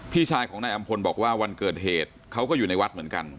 พี่ชายของนายอำพลบอกว่าวันเกิดเหตุเขาก็อยู่ในวัดเหมือนกัน